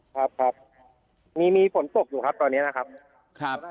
ครับครับมีมีฝนตกอยู่ครับตอนนี้นะครับครับ